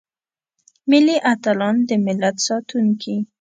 ملي اتلان دملت ساتونکي.